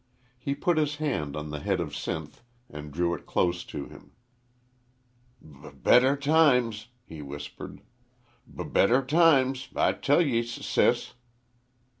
He put his hand on the head of Sinth and drew it close to him. "B better times!" he whispered. "B better times, I tell ye, s sis!"